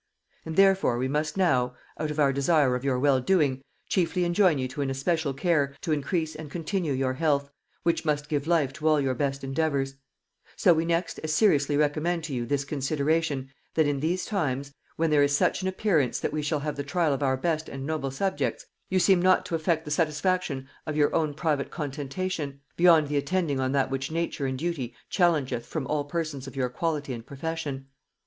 And therefore we must now (out of our desire of your well doing) chiefly enjoin you to an especial care to encrease and continue your health, which must give life to all your best endeavours; so we next as seriously recommend to you this consideration, that in these times, when there is such an appearance that we shall have the trial of our best and noble subjects, you seem not to affect the satisfaction of your own private contentation, beyond the attending on that which nature and duty challengeth from all persons of your quality and profession.